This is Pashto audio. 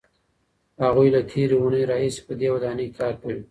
هغوی له تېرې اوونۍ راهیسې په دې ودانۍ کار کوي.